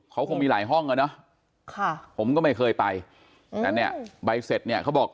เขาก็คงมีหลายห้องอะเนอะผมก็ไม่เคยไปแต่ใบเสร็จเขาบอก